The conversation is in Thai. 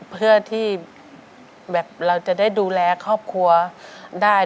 เพื่อที่แบบเราจะได้ดูแลครอบครัวได้